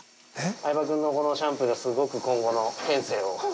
相葉君のこのシャンプーがすごく今後の犬生を。